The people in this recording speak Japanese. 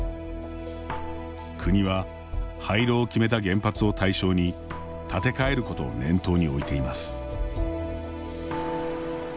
国は廃炉を決めた原発を対象に建て替えることを念頭に置いています。